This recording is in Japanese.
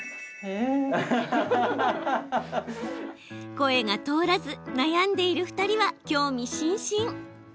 声が通らず悩んでいる２人は興味津々。